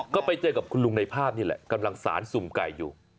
ก็ไปเจอกับคุณลุงในภาพนี่แหละกำลังสารสุ่มไก่อยู่